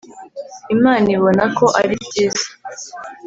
Imana ibona ko ari byiza